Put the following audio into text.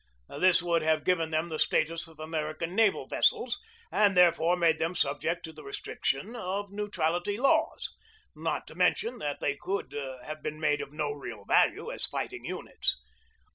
This would have given them the status of American naval vessels and therefore made them subject to the restrictions of neutrality laws, not to mention that they could have been made of no real value as fight ing units.